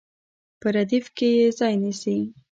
په ردیف کې یې ځای نیسي.